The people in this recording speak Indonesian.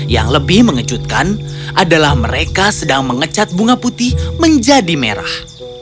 yang lebih mengejutkan adalah mereka sedang mengecat bunga putih menjadi merah